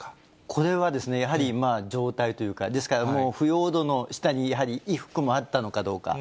これはやはり、状態というか、ですからもう、腐葉土の下にやはり衣服もあったのかどうか。